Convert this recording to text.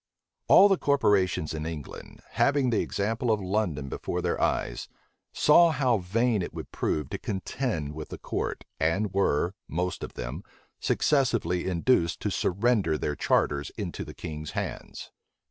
All the corporations in England, having the example of London before their eyes, saw how vain it would prove to contend with the court, and were, most of them, successively induced to surrender their charters into the king's hands.